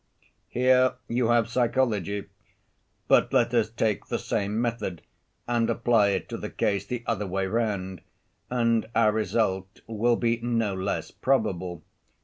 "Here you have psychology; but let us take the same method and apply it to the case the other way round, and our result will be no less probable.